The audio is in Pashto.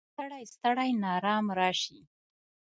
ستړی، ستړی ناارام راشي